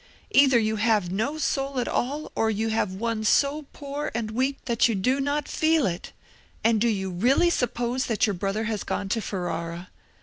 Either you have no soul at all, or you have one so poor and weak that you do not feel it! And do you really suppose that your brother has gone to Ferrara?